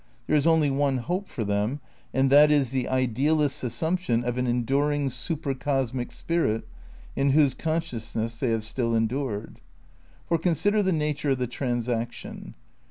There is only one hope for them, and that is the idealist's assumption of an enduring, super cosmic spirit in whose consciousness they have still endured. For, consider the nature of the transaction.